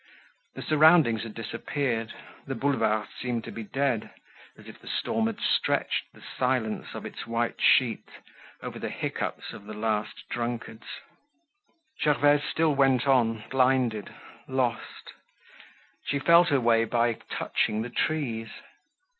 The surroundings had disappeared, the Boulevard seemed to be dead, as if the storm had stretched the silence of its white sheet over the hiccoughs of the last drunkards. Gervaise still went on, blinded, lost. She felt her way by touching the trees.